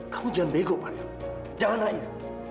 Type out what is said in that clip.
kamu jangan bego pak riam jangan naik